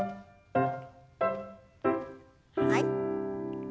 はい。